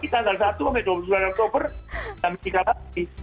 saya nanti tanggal satu sampai dua puluh sembilan oktober sampai tiga hari